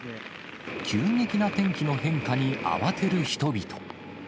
急激な天気の変化に慌てる人々。